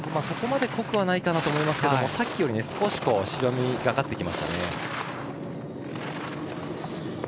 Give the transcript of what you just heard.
そこまで濃くはないかなと思いますけどさっきより、少し白みがかってきましたね。